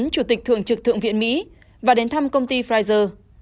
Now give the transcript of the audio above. chủ tịch thường trực thượng viện mỹ và đến thăm công ty pfizer